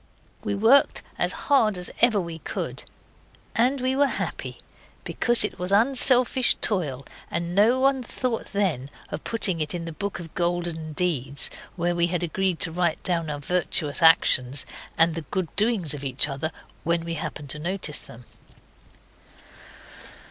We worked as hard as ever we could. And we were happy, because it was unselfish toil, and no one thought then of putting it in the Book of Golden Deeds, where we had agreed to write down our virtuous actions and the good doings of each other, when we happen to notice them.